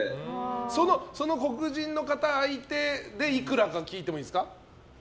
その黒人の方相手でいくらか聞いてもいいですか？